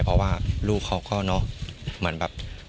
เพราะว่าลูกเขาก็เนอะเหมือนแบบ